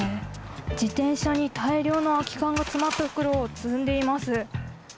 自転車に大量の空き缶が詰まった袋を積んでいます。